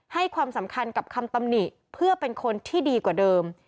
ให้ความสำคัญกับคำตำหนิเพื่อเป็นคนที่ดีกว่าเดิม